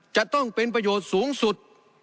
จะต้องเป็นประโยชน์สูงสุด